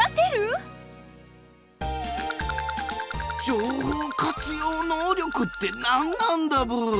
情報活用能力って何なんだブー？